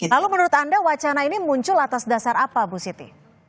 lalu menurut anda wacana ini muncul atas dasar apa bu siti